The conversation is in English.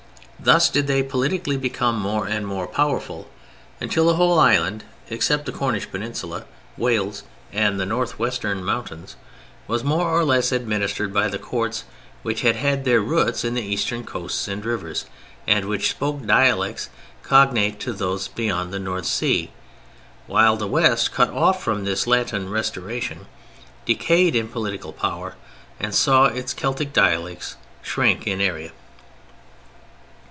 Thus did they politically become more and more powerful, until the whole island, except the Cornish peninsula, Wales and the Northwestern mountains, was more or less administered by the courts which had their roots in the eastern coasts and rivers, and which spoke dialects cognate to those beyond the North Sea, while the West, cut off from this Latin restoration, decayed in political power and saw its Celtic dialects shrink in area.